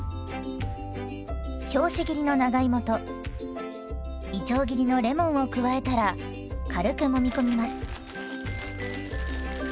拍子切りの長芋といちょう切りのレモンを加えたら軽くもみこみます。